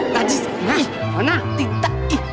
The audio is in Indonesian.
najis ih ona tinta ih ih najis ih ih ih ih